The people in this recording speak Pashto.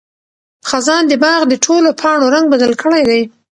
خزان د باغ د ټولو پاڼو رنګ بدل کړی دی.